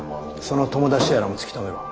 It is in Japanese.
その友達とやらも突き止めろ。